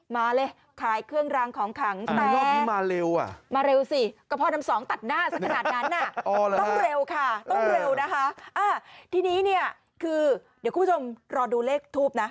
นี่เนี่ยคือเดี๋ยวคุณผู้ชมรอดูเลขทูปนะ